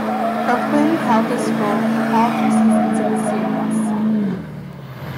O'Quinn held this role for all three seasons of the series.